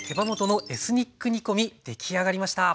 出来上がりました。